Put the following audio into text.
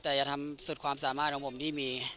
แต่อย่าทำสุดความสามารถของผมที่มี